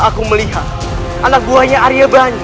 aku melihat anak buahnya arya banci